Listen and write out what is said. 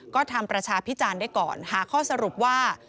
ก็ทำประชาพิจารณ์ได้ก่อนหาข้อสรุปว่า